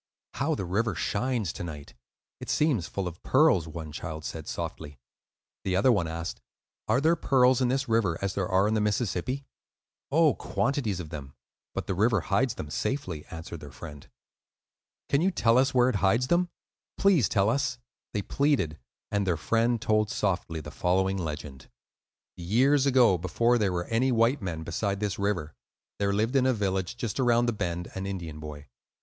"How the river shines to night! it seems full of pearls," one child said, softly. The other one asked, "Are there pearls in this river as there are in the Mississippi?" "Oh, quantities of them; but the river hides them safely," answered their friend. "Can you tell us where it hides them? Please tell us," they pleaded; and their friend told softly the following legend:— Years ago, before there were any white men beside this river, there lived in a village just around the bend an Indian boy.